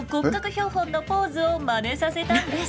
標本のポーズをまねさせたんです。